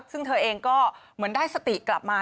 ซึ่งเธอเองก็เหมือนได้สติกลับมา